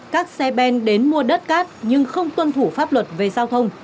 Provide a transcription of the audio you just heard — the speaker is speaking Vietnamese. các xe ben đến mua đất cát nhưng không tuân thủ pháp luật về giao thông